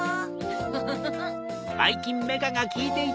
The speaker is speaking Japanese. フフフフフ。